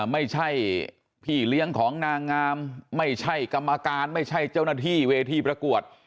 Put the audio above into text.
ไม่ใช่พี่เลี้ยงของนางงามไม่ใช่กรรมการไม่ใช่เจ้าหน้าที่เวทีประกวด